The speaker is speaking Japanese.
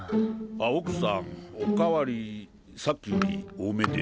あ奥さんおかわりさっきより多めで。